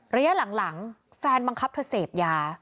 ระยะหลังแฟนบังคับเธอเสพยา